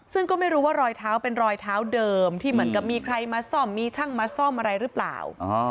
ซึ่งก็ไม่รู้ว่ารอยเท้าเป็นรอยเท้าเดิมที่เหมือนกับมีใครมาซ่อมมีช่างมาซ่อมอะไรหรือเปล่า